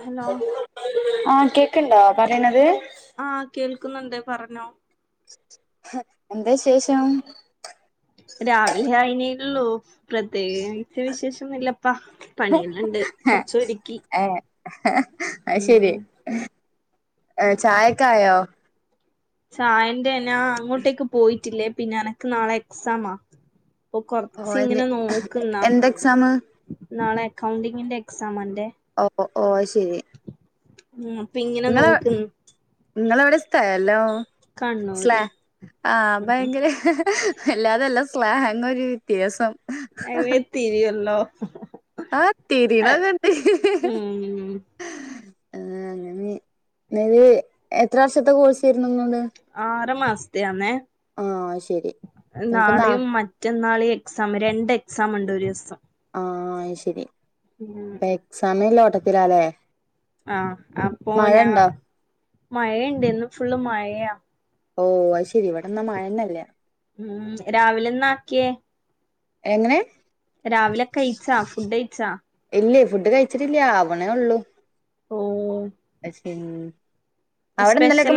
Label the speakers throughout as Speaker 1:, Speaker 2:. Speaker 1: Hello
Speaker 2: ആഹ് കേക്ക്ണ്ടോ പറയിണത്
Speaker 1: ആഹ് കേൾക്കുന്നുണ്ട് പറഞ്ഞോ?
Speaker 2: എന്താ വിശേഷം?
Speaker 1: രാവിലെ അയിനേള്ളൂ പ്രത്യേകി ച്ച് വിശേഷൊന്നുല്ലപ്പ. പണികളുണ്ട് കൊറച്ച് ഒരുക്കി
Speaker 2: ഏ അയ് ശരി
Speaker 1: ഉം
Speaker 2: ചായൊക്കെ ആയോ?
Speaker 1: ചായൻ്റെനാ അങ്ങോട്ടേക്ക് പോയിറ്റീല്ലേ. പിന്നെ എനക്ക് നാളെ എക്സാമാ അപ്പൊ
Speaker 2: ഓ എന്ത്
Speaker 1: കൊറച്ങ്ങനെ നോക്കുന്നാ
Speaker 2: എന്ത് എക്സാം
Speaker 1: നാളെ എക്കൗണ്ടിങ്ങിന്റെ എക്സാമാ ഇന്റെ
Speaker 2: ഓ ഓ അയ് ശരി
Speaker 1: ളം അപ്പൊ ഇങ്ങനെ നോക്ക്ന്ന്
Speaker 2: നിങ്ങളെ എവിടെ സ്ഥലം സ്ല
Speaker 1: കണ്ണൂര്
Speaker 2: ആഹ് ഭയങ്കര അല്ലാതെല്ല സ്ലാങ്ങോരു വ്യത്യാസം
Speaker 1: ഏ വേ ത്തിരിയല്ലോ
Speaker 2: ആ തീരിനോക്കേണ്ട്.
Speaker 1: ഉം
Speaker 2: ആ അങ്ങനെ [unintelligible] എത്ര വർഷത്തെ കോഴ്സ് ആയിരുന്നു ഇങ്ങൾതെ
Speaker 1: ആറ് മാസത്തെയാന്നേ
Speaker 2: ആഹ് ശെരി ഇപ്പൊ നാ
Speaker 1: നാളെയും മറ്റ മറ്റന്നാളും എക്സാം രണ്ട് എക്സാം ഉണ്ട് ഒരു ദിവസം
Speaker 2: ആഹ് അയ്ശരി
Speaker 1: ഉം
Speaker 2: അപ്പൊ എക്സാമിനുള്ള ഓട്ടത്തിലാല്ലേ
Speaker 1: ആഹ്
Speaker 2: മഴ ഉണ്ടോ?
Speaker 1: മഴ ഉണ്ട് ഇന്ന് ഫുള്ള് മഴയാ
Speaker 2: ഓ അയ് ശരി ഇവിടെന്നാ മഴന്നെ ഇല്ല
Speaker 1: ഉം രാവിലെ എന്നാക്കിയേ?
Speaker 2: എങ്ങനെ
Speaker 1: രാവിലെ കയിച്ചാ ഫുഡ് കയ്ച്ചാ
Speaker 2: ഇല്ലേ ഫുഡ് കഴിച്ചിട്ടില്ല ആവനേ ഉള്ളു
Speaker 1: ഓ
Speaker 2: [unintelligible]
Speaker 1: സ്പെഷ്യൽ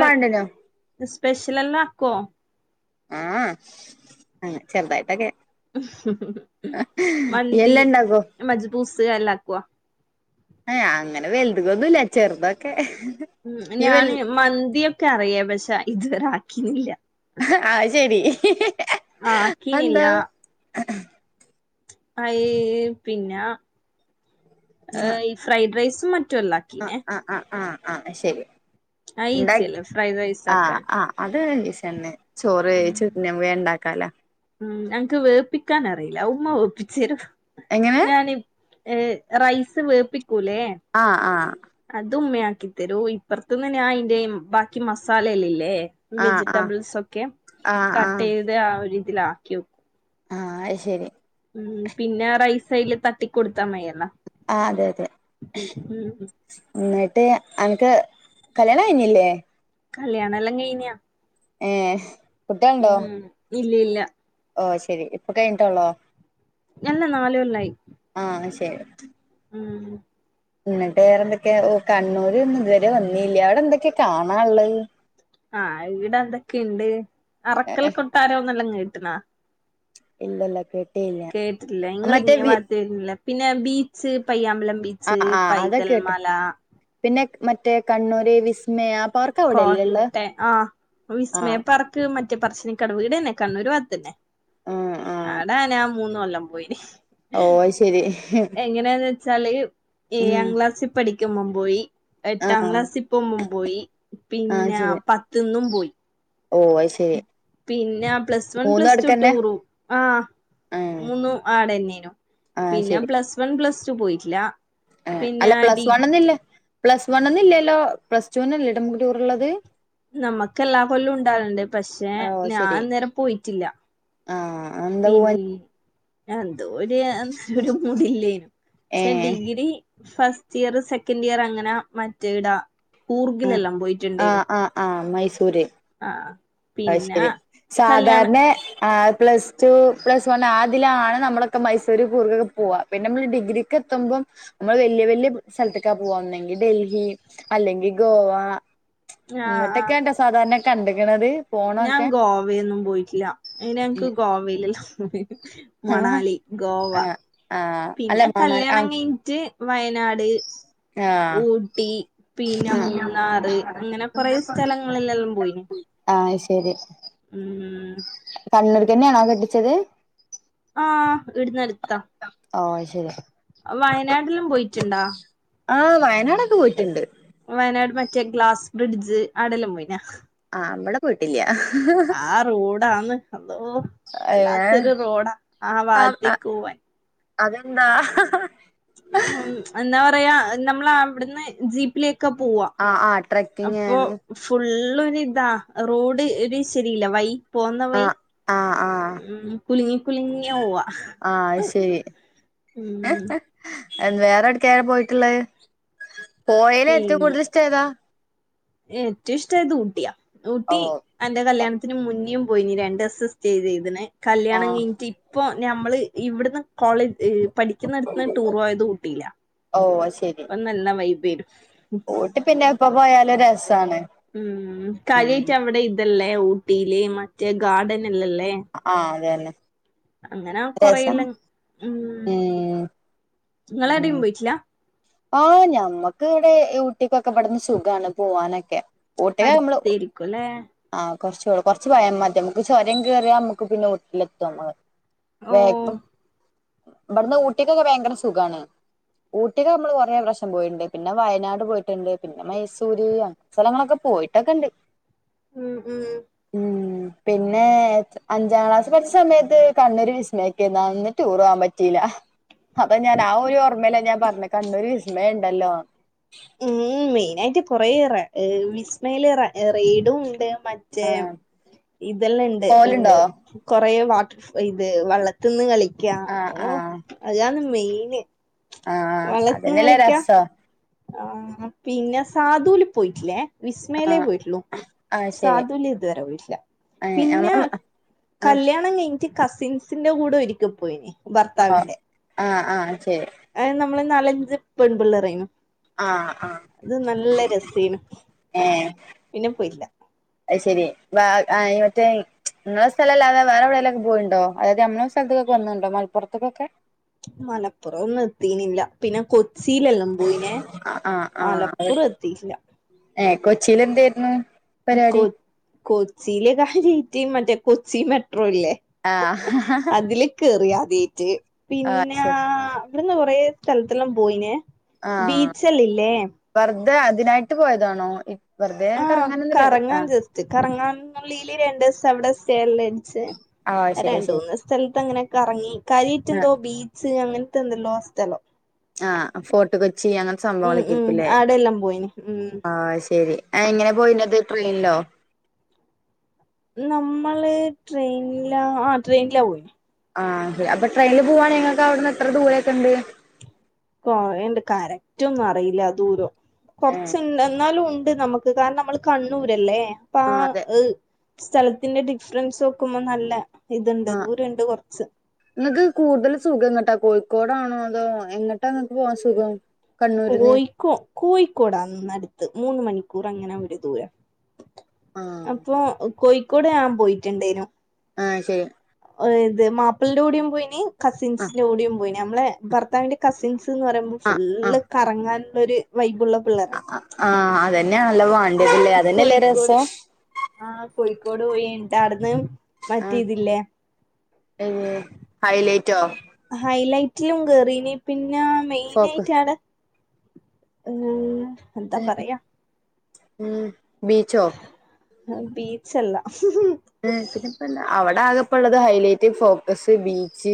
Speaker 1: സ്പെഷ്യൽ എല്ലാം ആക്കോ
Speaker 2: ആഹ് ചെർതായിട്ടോക്കെ
Speaker 1: മന്തി,
Speaker 2: ഇയ്യെല്ലാം ഇണ്ടാക്കോ
Speaker 1: മജ്ബൂസ് എല്ലാക്കോ
Speaker 2: ഏ അങ്ങനെ വലുതുകൊന്നുല്ല ചെറുതൊക്കെ
Speaker 1: ഉ
Speaker 2: ഈ വൽ
Speaker 1: ഞാന് മന്തിയൊക്കെ അറിയ പക്ഷെഇതുവരെ ആക്കീല്ല.
Speaker 2: ആ അത് ശരി അതെന്താ
Speaker 1: ആകീണില്ല
Speaker 2: [inaudible]
Speaker 1: ആയ് പിന്നെ ഫ്രൈഡ് റൈസും മറ്റുഅല്ലേ
Speaker 2: ആ ആ ആ ആ അയ് ശരി
Speaker 1: അയ് ഈ
Speaker 2: ഇണ്ടാ
Speaker 1: സിയല്ലേ ഫ്രൈഡ്
Speaker 2: ആഹ്
Speaker 1: റൈസാക്കാൻ
Speaker 2: ആഹ് അത് ഈസിഎന്നെ ചോറ് വേവിച്ച് വേം ഇണ്ടാകാലോ
Speaker 1: ഉം എൻക്ക് വേവിപ്പിക്കാനറിയില്ല ഉമ്മ വേവിപ്പിച്ചെരും.
Speaker 2: എങ്ങനെ
Speaker 1: ഞാന് റൈസ് വേവിപ്പിക്കൂല്ലേ
Speaker 2: ആഹ് ആഹ്
Speaker 1: അത് ഉമ്മയാക്കി തരൂ ഇപ്പറത്ത്ന്ന് അയിൻ്റെ ബാക്കി മസാലല്ല ഇല്ലേ
Speaker 2: ആഹ് ആഹ്
Speaker 1: വെജിറ്റബിൾസ് ഒക്കെ
Speaker 2: ആഹ്
Speaker 1: കട്ട്
Speaker 2: ആഹ്
Speaker 1: ചെയ്ത് ആ ഒര് ഇതിലാക്കി വെക്കു
Speaker 2: ആ അയ് ശരി
Speaker 1: ഉം പിന്നെ റൈസൈയില് തട്ടികോടുത്താ മതിന്നാ
Speaker 2: ആ അതെ അതെ എന്നിട്ട് അൻക്ക് കല്യാണം കഴിഞ്ഞില്ലേ?
Speaker 1: കല്യാണെല്ലാം കഴിഞ്ഞാ?
Speaker 2: ഏഹ്
Speaker 1: ഉം ഇല്യ ല്ല
Speaker 2: ഓഹ് ശെരി ഇപ്പൊ കഴിഞ്ഞിട്ടോള്ളോ?
Speaker 1: അല്ല നാല് കൊല്ലായി.
Speaker 2: ആഹ് അയ് ശെറ്റ്
Speaker 1: ഉം
Speaker 2: ന്നട്ട് വേറെന്തെക്കെ ഓഹ് കണ്ണൂരൊന്നും ഇത് വരെ വന്നില്ല അവടെ എന്തെക്കെ കാണാള്ളത്.
Speaker 1: ആഹ് ഈടെന്തെക്കെണ്ട് അറക്കൽ കൊട്ടാരം ന്നൊല്ലാം കേട്ട്ണാ.
Speaker 2: ഇല്ലല്ല കേ
Speaker 1: കേട്ടില്ല ഇങ്ങളിങ്ങേ വാത്തേര്ന്നില്ല പിന്നെ ബീച്ച് പയ്യാമ്പലം ബീ
Speaker 2: ആ
Speaker 1: ച്ച്
Speaker 2: ആ അതൊക്കെ
Speaker 1: പൈതൽ
Speaker 2: കേട്ട്
Speaker 1: മല
Speaker 2: പിന്നെ ക് മറ്റേ കണ്ണൂര് വിസ്മയ പർ
Speaker 1: കോട്ടേ ആഹ് വിസ്മയ
Speaker 2: ആഹ്
Speaker 1: പാർക്ക് മറ്റേ പറശിനിക്കടവ് ഇടെന്നെ കണ്ണൂര്ഭാഗത്തെന്നെ
Speaker 2: ആഹ് ആഹ്
Speaker 1: ആടാനാ മൂന് കൊല്ലം പോയിനി.
Speaker 2: ഓ അത് ശരി
Speaker 1: എങ്ങനേന്ന് വെച്ചാല്
Speaker 2: ഉം
Speaker 1: ഏഴാം ക്ലാസി പഠിക്കുമ്പോം പോയി എട്ടാം
Speaker 2: ആഹ്
Speaker 1: ക്ലാസിപ്പം [unintelligible] പോയി. പിന്ന പത്ത്ന്നും പോയി.
Speaker 2: ഓഹ് അയ് ശെ
Speaker 1: പിന്നാ പ്ലസ് വൺ പ്ലസ് ടു
Speaker 2: അടുക്കന്നെ
Speaker 1: ടൂറു ആഹ്
Speaker 2: ആഹ്
Speaker 1: മൂന്നു ആടെന്നെനു
Speaker 2: ആഹ്
Speaker 1: പിന്നെ
Speaker 2: ശരി
Speaker 1: പ്ലസ് വൺ പ്ലസ് ടു പോയിട്ടില്ല.
Speaker 2: ഏഹ്
Speaker 1: പിന്നെ
Speaker 2: അല്ല പ്ലസ്
Speaker 1: ഡി
Speaker 2: വണ്ന്നില്ല പ്ലസ് വണ്ന്നില്ലല്ലോ പ്ലസ് ടൂന്നല്ലേ [unintelligible]
Speaker 1: നമക്കെല്ലാ കൊല്ലുണ്ടാവല്ണ്ട് പക്ഷെ
Speaker 2: ഓഹ്
Speaker 1: ഞാൻ
Speaker 2: ശരി
Speaker 1: അന്നേരം പോയിട്ടില്ല.
Speaker 2: ആഹ് എന്താ
Speaker 1: പിൻ
Speaker 2: പോവാൻ
Speaker 1: അന്തോര് അന്ന് ഒര് മൂടില്ലേനു പക്ഷെ
Speaker 2: ഏഹ്
Speaker 1: ഡിഗ്രി ഫസ്റ്റ്‌യറ് സെക്കൻഡിയറ് അങ്ങനെ മറ്റേ ടാ
Speaker 2: ആഹ്
Speaker 1: കൂർഗിലെല്ലാം പോയിട്ട്ണ്ടേന്നു.
Speaker 2: ആഹ് ആഹ് ആഹ് മൈസൂര്
Speaker 1: ആഹ്
Speaker 2: അയ്
Speaker 1: പിന്നെ
Speaker 2: ശെരി
Speaker 1: കല്യാണം
Speaker 2: സാധാരണെ ആഹ് പ്ലസ് ടു പ്ലസ് വണാതിലാണ് നമ്മളൊക്കെ മൈസൂര് കൂർഗൊക്കെ പോവ. പിന്നമ്മള് ഡിഗ്രിക്കെത്തുമ്പം നമ്മള് വല്യ വല്യ സ്ഥലത്ത്ക്കാ പോവാ ഒന്നെങ്കി ഡൽഹി അല്ലെങ്കി ഗോവ
Speaker 1: ആഹ് ആഹ്
Speaker 2: ഇന്ന്ട്ടക്കെണ്ടോ സാധാര്ണെ കണ്ട്ക്ക്ണത്.
Speaker 1: ഞാൻ
Speaker 2: പോണൊക്കെ
Speaker 1: ഗോവേന്നും പോയിട്ടില്ല അയ്ന് ഞങ്ങക്ക്
Speaker 2: ഉം
Speaker 1: ഗോവയിലെല്ലാം [unintelligible]
Speaker 2: ആഹ്
Speaker 1: മണാലി, ഗോവ
Speaker 2: ആഹ് അല്ല
Speaker 1: പിന്നെ
Speaker 2: മണാ
Speaker 1: കല്യാണം
Speaker 2: ആഹ്
Speaker 1: കഴിഞ്ഞിട്ട് വയനാട്,
Speaker 2: ആഹ്
Speaker 1: ഊട്ടി പിന്നെ
Speaker 2: ആഹ്
Speaker 1: മൂന്നാർ അങ്ങനെ കൊറെ സ്ഥലങ്ങളിലെല്ലാം പോയിന്
Speaker 2: ആഹ് അയ് ശെരി.
Speaker 1: ഉം
Speaker 2: കണ്ണൂർക്കെന്നെണോ കെട്ടിച്ചത്?
Speaker 1: ആഹ് ഇടുന്നടുത്താ
Speaker 2: ആഹ് അയ് ശെരി.
Speaker 1: വയനാട്ടിലും പോയിട്ട്ണ്ടാ?
Speaker 2: ആഹ് വയനാടൊക്കെ പോയിട്ട്ണ്ട്.
Speaker 1: വയനാട് മറ്റേ ഗ്ലാസ് ബ്രിഡ്ജ് ആടല്ലാം പോയിനാ?
Speaker 2: ആഹ് അവടെ പോയിട്ടില്ല.
Speaker 1: റോഡന്ന് അള്ളോ
Speaker 2: ഏഹ്
Speaker 1: വല്ലാത്തൊരു റോഡാ ആ
Speaker 2: ആഹ് ആഹ്
Speaker 1: ഭാഗത്തേക്കോവാൻ
Speaker 2: അതെന്താ
Speaker 1: ഉം എന്താ പറയാ നമ്മള അവിടുന്ന് ജീപ്പിലേ ഒക്കെ പോവാ
Speaker 2: ആഹ് ആഹ് ട്രക്കിങ്
Speaker 1: അപ്പൊ
Speaker 2: ആണ്
Speaker 1: ഫുുള്ളൊര് ഇതാ റോഡ് ഒരു ശരിയില്ല വൈ പോകുന്ന വൈ
Speaker 2: ആഹ ആഹ
Speaker 1: ഉം കുലുങ്ങി കുലുങ്ങിയ പോവ
Speaker 2: ആഹ ശരി
Speaker 1: ഉം
Speaker 2: വേറെ എവിടക്ക ആര പോയിട്ടുള്ളത് പോയല എത്തി
Speaker 1: പിന്നെ
Speaker 2: കൂടുതൽസ്ട ഏതാ
Speaker 1: ഏറ്റവും ഇഷ്ടമായത് ഊട്ടിയാ
Speaker 2: ഓ
Speaker 1: ഊട്ടി എന്റെ കല്യാണത്തിന് മുന്നിം പോയി നീ രണ്ട ദിവസം സ്റ്റേ ചെയ്തിന് കല്യാണം
Speaker 2: ആഹ്
Speaker 1: കഴിഞ്ഞിട്ട് ഇ ഇപ്പോൾ ഞമ്മൾ ഇവിടുന്ന് കോളേജ് പഠിക്കുന്നിടുത്തന്ന് ടൂർ പോയത് കൂട്ടിയില്ല
Speaker 2: ഓ ശരി
Speaker 1: അപ്പൊ നല്ല വൈബെന്നു
Speaker 2: ഊട്ടി പിന്നെ എപ്പോ പോയാലും രസാണ്
Speaker 1: ഉം
Speaker 2: ഉം
Speaker 1: കാര്യായിട്ട് അവിടെ ഇതല്ലേ ഊട്ടിയില് മറ്റേ ഗാർഡൻ ഇല്ല അല്ലെ
Speaker 2: ആഹ അതെ അതെ
Speaker 1: അങ്ങനെ കൊറയല്ലാം
Speaker 2: ഉം
Speaker 1: നിങ്ങളെഎവടീം പോയിട്ടില്ല
Speaker 2: ആഹ ഞമ്മക്ക് ഇവിടെ ഊട്ടിക്കൊക്കെ ഇവിടുന്ന് സുഖാണ് പോവാനൊക്കെ ഊട്ടി നമ്മള്
Speaker 1: അടുത്തായിരിക്കും അല്ലെ
Speaker 2: ആഹ് കൊറച്ചൊള്ളു കൊറച്ചുപോയാമതി നമക്ക് ചോരം കയറിയാ നമുക്ക് പിന്നെ ഊട്ടിലെത്തും
Speaker 1: ഓ
Speaker 2: വേഗം ഇവിടുന്ന് ഊട്ടിക്കൊക്കെ ഭയങ്കര സുഖമാണ് ഊട്ടിക്കോ നമ്മള് കുറേ പ്രശ്നം പോയിണ്ട് പിന്നെ വയനാട് പോയിട്ടുണ്ട് പിന്നെ മൈസൂര് അഹ സ്ഥലങ്ങളൊക്കെ പോയിട്ടൊക്കെ ഉണ്ട്
Speaker 1: ഉം ഉം
Speaker 2: ഉം പിന്നെ അഞ്ചാം ക്ലാസ് പഠച്ച സമയത്ത് കണ്ണൂർ വിസ്മയക്കെന്നു അന്ന് ടൂർ പോകവാൻ പറ്റിയില്ല അത ഞാൻ ആഹ ഒരു ഓർമ്മല്ല ഞാൻ പറഞ്ഞ കണ്ണൂർ വിസ്മയുണ്ടല്ലോ
Speaker 1: ഉം മെയിനയിട്ട് കൊറേ റ വിസ്മേൽ റെയ്ഡും ഉണ്ട് മ മറ്റേ
Speaker 2: ആഹ്
Speaker 1: ഇതെല്ലാം ഇണ്ട്
Speaker 2: പോവലുണ്ടോ
Speaker 1: കൊറേ വാട്ടർ ഇത് വള്ളത്തി തിന്ന് കളിക്കാ
Speaker 2: ആഹ്
Speaker 1: ഓഹ
Speaker 2: ആഹ്
Speaker 1: അതാണ് മെയിന്
Speaker 2: ആഹ്
Speaker 1: വള്ളത്തിന്ന്
Speaker 2: അതന്നെല്ലേ
Speaker 1: കളിക്ക
Speaker 2: രസം
Speaker 1: ആഹ പിന്നെ സാധുൽ പോയിട്ടില്ലേ വിസ്മലേ
Speaker 2: ആഹ്
Speaker 1: പോയിട്ടുള്ളു
Speaker 2: ആഹ് ശരി
Speaker 1: സാധുല് ഇതുവരെ പോയിട്ടില്ല
Speaker 2: നമ്മ
Speaker 1: പിന്നെ
Speaker 2: ആഹ്
Speaker 1: കല്യാണം ക മറ്റേ കസിൻസിന്റെ കൂടെ ഒരിക്കെ പോയിന്
Speaker 2: ആഹ ആഹ ആഹ ശരി
Speaker 1: അഹ നമ്മള് നാലഞ്ച് പെൺപിള്ളർഅയിന്നു
Speaker 2: ആഹ് ആഹ്
Speaker 1: അത് നല്ല രസെയ്ന്നു പിന്നെ പോയില്ല
Speaker 2: ഐശരി ശരി വ ആഹ മറ്റേ നിങ്ങളെ സ്ഥലല്ലത വേറെഎവിടെലൊക്കെ പോയിണ്ടോ അതായത് നമ്മളെ സ്ഥലത്തൊക്കെ വന്നുണ്ടോ മലപ്പുത്തേക്കൊക്കെ
Speaker 1: മലപ്പുറം ഒന്നും എത്തീനില്ല പിന്നെ കൊച്ചിയിലെല്ലാം പോയിനെ
Speaker 2: ആഹ്
Speaker 1: മലപ്പുറം എത്തിയില്ല
Speaker 2: ഏഹ കൊച്ചിൽ എന്തായിരുന്നു പരിപാടി
Speaker 1: കൊച്ചി കൊച്ചിയിലെഞാൻ നീറ്റു മറ്റേ കൊച്ചി മെട്രോല്ലേ
Speaker 2: ആഹ
Speaker 1: അതിലകേറിയാതായിട്ട് പിന്നാ
Speaker 2: ശരി
Speaker 1: ഇവിടുന്ന് കൊറ സ്ഥലത്തെല്ലാം പോയിനേ ബീച്ചല്ല ഇല്ലേ
Speaker 2: വെർതെ അതിനായിട്ട് പോയതാണോ ഇ വെർതേ കറങ്ങാന് ന്ന്ല്ലെത് ആഹ്
Speaker 1: ത്ത് കറങ്ങാൻന്ന്ള്ളില് രണ്ടു ദിവസം അവിടെ സ്റ്റേറ്ലേന്ന് ക്ഷേ
Speaker 2: ആഹ്
Speaker 1: അഹ്
Speaker 2: ശരി ശരി
Speaker 1: രണ്ടൂന്ന് സ്ഥലത്ത് അങ്ങനെകറങ്ങി കാര്യായിട്ട് എന്തോ ബീ ച്ച് അങ്ങൻത്തെന്തെല്ലോ സ്ഥലം
Speaker 2: ആഹ് ഫോട്ട് കൊച്ചി അങ്ങൻത്തെ
Speaker 1: ഉം ഉം
Speaker 2: സംഭവങ്ങളൊക്കെര്ക്കുംല്ലേ
Speaker 1: ആടെല്ലാം പോയിന് ഉം
Speaker 2: ആഹ് അയ്ശെരി എങ്ങനെ പോയിനത് ട്രെയ്ൻലോ
Speaker 1: നമ്മള് ട്രെയ്ൻലാ ആഹ് ട്രെയ്നിലാ പോയ്ന്
Speaker 2: ആഹ് ഒക്കെ അപ്പൊ ട്രെയ്ന്ല് പോവാണങ്ങി ഇങ്ങക്ക് അവിടുന്ന് എത്ര ദൂരൊക്കെ ഇണ്ട്
Speaker 1: കൊറേണ്ട് കറക്റ്റ് ഒന്നും അറിയില്ല ദൂരം
Speaker 2: ഏഹ്
Speaker 1: കൊറച്ച്ണ്ട് എന്നാലും ഉണ്ട് നമ് ക്ക് കാരണം നമ്മള് കണ്ണൂരല്ലേ അപ്പാ
Speaker 2: ആഹ് അതെ
Speaker 1: ഇഹ് സ്ഥലത്തിന്റെ ഡിഫ്റൻസ് നോക്കുമ്പോ നല്ല ഇത്ണ്ട് ദൂരണ്ട് കൊർച്ച്
Speaker 2: ഇങ്ങക്ക് കൂടുതൽ സുഖം എങ്ങട്ടാ കോഴിക്കോടാണോ അതോ എങ്ങട്ടാങ്ങക്ക് പോവാൻ സുഖം കണ്ണൂരിന്ന്
Speaker 1: കോഴിക്കോ കോഴിക്കോടാന്ന്ന്നട്ത് മൂന്ന് മണിക്കൂർ അങ്ങനെ ഒരു ദൂരം
Speaker 2: ആഹ്
Speaker 1: അപ്പൊ കോഴിക്കോട് ഞാൻ പോയിറ്റ്ണ്ടേനു
Speaker 2: ആഹ് ശരി
Speaker 1: ഇഹ് ത് മാപ്പൾന്റുടെയും പോയിനി
Speaker 2: ആഹ്
Speaker 1: കസിൻസിന്റെ കൂടെയും പോയിനി അമ്മളെ ഭർത്താവിന്റെ കസിൻസ്ന്ന് പറയുമ്പോ
Speaker 2: ആഹ്
Speaker 1: ഫുള്ള്
Speaker 2: ആഹ്
Speaker 1: കറങ്ങാന്ള്ളൊര് വൈബുള്ള പിള്ളേരാണ്
Speaker 2: അഹ് ആഹ് അതന്നേണല്ലോ വാണ്ടിയേത് ല്ലേ അതന്നെ അല്ലേ
Speaker 1: കോഴിക്കോട്
Speaker 2: രസം
Speaker 1: ആഹ് കോഴിക്കോട് പോയിന്ന്ട്ടാട്ന്ന് മറ്റെ ഇത് ല്ലേ
Speaker 2: ഏത് ഹൈലൈറ്റോ
Speaker 1: ഹൈലൈറ്റിലും കേറീനി പിന്നെ
Speaker 2: ഫോക്കസ്
Speaker 1: മെയിനെയ്റ്റ് ആടെ ഉം എന്താ പറയാ
Speaker 2: ഉം ബീച്ചോ
Speaker 1: അഹ് ബീച്ചല്ല
Speaker 2: [unintelligible] പ്പെന്നാ അവടെ ആകെപ്പള്ളത് ഹൈലൈറ്റ് ഫോക്കസ് ബീച്ച്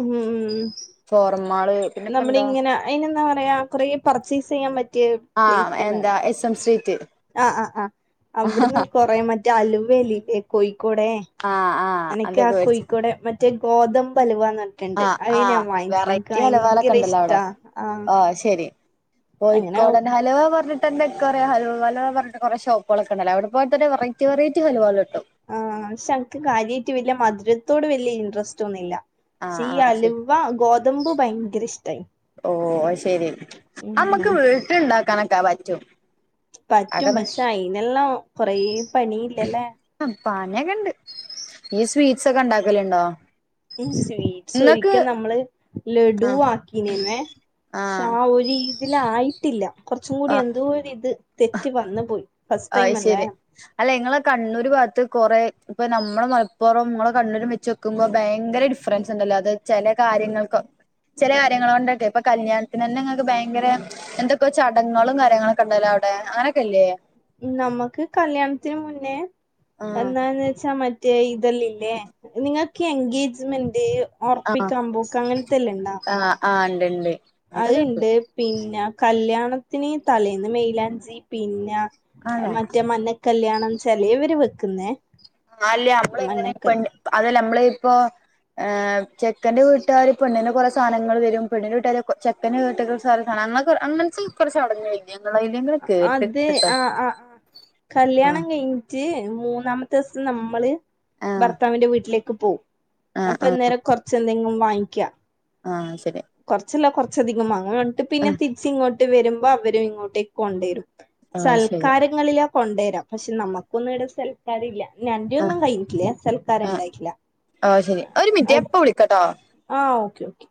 Speaker 1: ഉം
Speaker 2: ഫോറന്മാള് പിന്നെ ഇപ്പ എന്താ
Speaker 1: അതിനെന്താ പറയാ കുറേ പർച്ചേസ് ചെയ്യാൻ പറ്റിയ പ്ലേസ്
Speaker 2: ആഹ് എന്താ
Speaker 1: തന്നെയാണ്
Speaker 2: എസ് എം സ്ട്രീറ്റ്
Speaker 1: ആഹ് ആഹ് ആഹ് അവിടുന്ന് കൊറേ മറ്റേ അലുവഇല്ലേ കോഴിക്കോടേ
Speaker 2: ആഹ് ആഹ്
Speaker 1: എനക്ക് ആ
Speaker 2: അതൊക്കെ വേടിച്ച്
Speaker 1: കോഴിക്കോട് മറ്റേ ഗോതമ്പ് ഹൽവാന്ന് റ്റ്ണ്ട്
Speaker 2: ആഹ്
Speaker 1: അത്
Speaker 2: ആഹ്
Speaker 1: ഞാൻ വാങ്ങിച്ച്ന് ന്ക്ക്
Speaker 2: വെറൈറ്റി
Speaker 1: ഭയങ്കര ഇഷ്ടാ ആഹ്
Speaker 2: അയ് ശെരി
Speaker 1: അങ്ങനെ
Speaker 2: കോയിക്കോടൻ ഹൽവാ പർഞ്ഞ് ട്ടെന്നെ കുറെ ഹൽവാല് പർഞ്ഞ്ട്ട് കൊറെ ഷോപ്പുകളൊക്കെണ്ടല്ല അവിടെ പോയിട്ട് തന്നെ വെറൈറ്റി വെറൈറ്റി ഹലുവകള് കിട്ടും
Speaker 1: ആഹ് പക്ഷെ എൻക്ക് കാര്യായിട്ട് വല്യെ മധുരത്തോട് വല്യെ ഇൻട്രസ്റ്റ് ഒന്നുംഇല്ല പക്ഷെ
Speaker 2: ആഹ്
Speaker 1: ഈ
Speaker 2: ആഹ്
Speaker 1: ഹല്
Speaker 2: ശരി
Speaker 1: വ ഗോതമ്പ് ഭയങ്കര ഇഷ്ടമായിന്
Speaker 2: ഓ അഹ് ശെരി അഹ് നമ്മക്ക് വീട്ട്ണ്ടാക്കാനൊക്കാ പറ്റും
Speaker 1: പറ്റും
Speaker 2: അതൊന്ന്
Speaker 1: പക്ഷെ അയിനെല്ലാം കൊറെ പണിയില്ലെ ല്ലേ
Speaker 2: ഉം പണിയൊക്കെഇണ്ട് ഇയ്യ് സ്വീറ്റ്സ്ഒക്കെ ഇണ്ടാക്കല്ണ്ടോ
Speaker 1: ഉം സ്വീറ്റ്സ് ഒരിക്കെ നമ്മള് ലഡു
Speaker 2: ആഹ്
Speaker 1: ആക്കിനിമേ പക്ഷെ ആ ഒരു ഇതിലായിട്ട്ല്ല കൊർച്ചും കൂടി
Speaker 2: ആഹ്
Speaker 1: എന്തോ ഒരിത് തെറ്റ് വന്നു പോയി ഫസ്റ്റ് ടൈം
Speaker 2: അയ്
Speaker 1: അല്ലേ
Speaker 2: ശെരി അല്ല ഇങ്ങളെ കണ്ണൂര് ഭാത്ത് കൊറെ ഇപ്പൊ നമ്മളെ മൽപ്പൊറം ഇങ്ങളെ കണ്ണൂരും വെച്ചോക്കുമ്പോ ഭയങ്കര ഡിഫറൻസ് ഉണ്ടല്ലോ അത് ചെലെ കാര്യങ്ങൾക്ക് ചെലേ കാര്യങ്ങൾ കൊണ്ടൊക്കെ ഇപ്പൊ കല്യാണത്തിനെന്നെങ്ങൾക്ക് ഭയങ്കരെ എന്തൊക്കെ ചടങ്ങുകളും കാര്യങ്ങളൊക്കെ ഇണ്ടല്ലോ അവ്ടെ അങ്ങനെയൊക്കെല്ലേ
Speaker 1: നമ്മക്ക് കല്യാണത്തിന് മുന്നേ
Speaker 2: ആഹ്
Speaker 1: എന്താന്ന് വെച്ചാ മ മറ്റേ ഇതെല്ലം ഇല്ലേ നിങ്ങക്ക് ഈ എൻഗേജ്മെന്റ്
Speaker 2: ആഹ്
Speaker 1: ഒറപ്പിക്കാമ്പോക്ക് അങ്ങനത്തെല്ലാം ഇണ്ടാ
Speaker 2: ആഹ് ആഹ് ഇണ്ട്ണ്ട്
Speaker 1: അത്ണ്ട് പിന്നെ കല്യാണത്തിന് തലേന്ന് മെയിലാഞ്ചി പിന്നാ
Speaker 2: ആണോ
Speaker 1: മറ്റേ മഞ്ഞക്കല്യാണം ചെലേവര് വെക്കുന്നേ
Speaker 2: ആഹ് അല്ലേ നമ്മള് ഇങ്ങനെ
Speaker 1: മഞ്ഞക്കൽ
Speaker 2: പെണ്ണ് അതല്ല നമ്മളിപ്പം ഏഹ് ചെക്കന്റെ വീട്ടാര് പെണ്ണിന് കൊറേ സാധനങ്ങള് തെരും പെണ്ണിന്റെ വീട്ടാര് ചെക്ക് [unintelligible] അങ്ങനത്തെ കൊറെ ചടങ്ങളില്ലേ ഇങ്ങളേല്
Speaker 1: ആഹ് അതെ ആഹ് ആഹ് ആഹ്
Speaker 2: ആഹ്
Speaker 1: കല്യാണം കഴിഞ്ഞി റ്റ് മൂന്നാമത്തെ ദിവസം നമ്മള്
Speaker 2: ആഹ്
Speaker 1: ഭർത്താവിന്റെ വീട്ടിലേക്ക് പോവും
Speaker 2: ആഹ്
Speaker 1: അപ്പൊ
Speaker 2: ആഹ്
Speaker 1: എന്നേരം കൊറച്ച് എന്തെങ്കിലും വാങ്ങിക്കാ
Speaker 2: ആഹ് അത് ശരി
Speaker 1: കൊറച്ചല്ല കൊറച്ചധികം വാങ്ങാം അന്നിട്ട് പിന്നെ
Speaker 2: ആഹ്
Speaker 1: തിരിച്ച് ഇങ്ങോട്ട് വരുമ്പോ അവരും ഇങ്ങോട്ടേക്ക് കൊണ്ടേരും
Speaker 2: ആഹ് ശരി
Speaker 1: സൽക്കാരങ്ങളിലാ കൊണ്ടെരാ പക്ഷെ നമ്മക്കൊന്നും ഈടെ [unintelligible] പിന്നെ അന്റെ
Speaker 2: ആഹ്
Speaker 1: ഒന്നും കഴിഞ്ഞിട്ടില്ലേ സൽക്കാരം
Speaker 2: ആഹ്
Speaker 1: ഇണ്ടായിട്ടില്ല
Speaker 2: ആഹ് ശരി ഒരു മിനിറ്റ് ഞാൻ ഇപ്പ വിളിക്കാട്ടോ
Speaker 1: ആഹ് ഓക്കേ ഓക്കെ